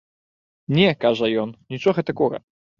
Не, кажа ён, нічога такога.